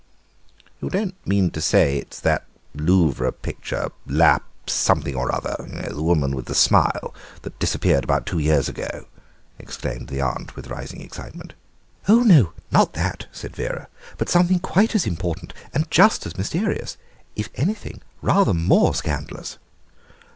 "You don't mean to say it's the Louvre picture, La Something or other, the woman with the smile, that disappeared about two years ago?" exclaimed the aunt with rising excitement. "Oh no, not that," said Vera, "but something quite as important and just as mysterious—if anything, rather more scandalous."